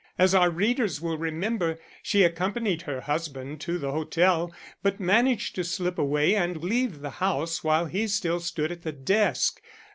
As our readers will remember, she accompanied her husband to the hotel, but managed to slip away and leave the house while he still stood at the desk.